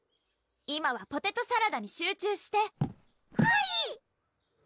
今はポテトサラダに集中して！はひ！